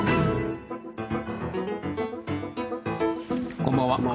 こんばんは。